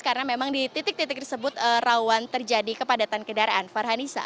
karena memang di titik titik tersebut rawan terjadi kepadatan kendaraan